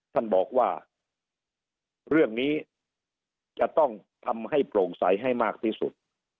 ท่านบอกว่าเรื่องนี้จะต้องทำให้โปร่งใสให้มากที่สุด